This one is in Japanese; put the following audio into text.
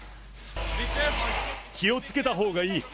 気をつけたほうがいい。